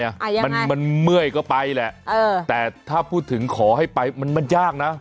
ยังไงมันมันเมื่อยก็ไปแหละเออแต่ถ้าพูดถึงขอให้ไปมันมันยากนะ